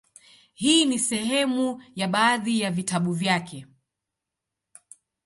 Hii ni sehemu ya baadhi ya vitabu vyake;